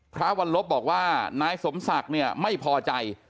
พระวันลบบอกว่านายสมศักดิ์เนี่ยไม่พอใจ